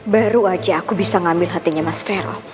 baru aja aku bisa ngambil hatinya mas vero